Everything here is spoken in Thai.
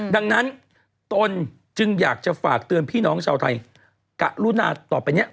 ดังนั้นตนจึงอยากจะฝากเตือนพี่น้องชาวไทยกะรุนาต่อไปเนี่ย